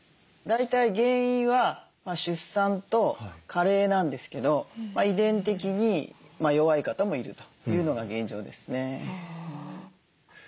大体原因は出産と加齢なんですけど遺伝的に弱い方もいるというのが現状ですね。